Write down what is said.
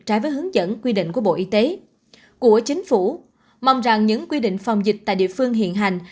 trái với hướng dẫn quy định của bộ y tế của chính phủ mong rằng những quy định phòng dịch tại địa phương hiện hành